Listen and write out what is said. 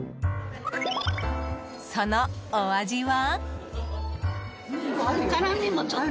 そのお味は。